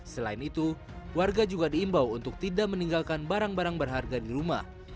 selain itu warga juga diimbau untuk tidak meninggalkan barang barang berharga di rumah